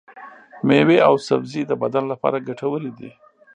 ميوې او سبزي د بدن لپاره ګټورې دي.